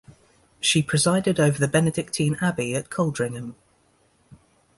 She presided over the Benedictine Abbey at Coldingham.